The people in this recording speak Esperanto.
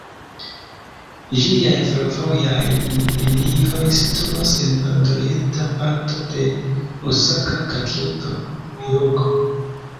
Ĝiaj fervojaj linioj situas en nord-orienta parto de Osaka kaj Kioto, Hjogo.